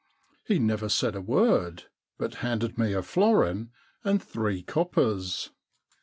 He never said a word, but handed me a florin and three coppers.